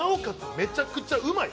めちゃくちゃうまい！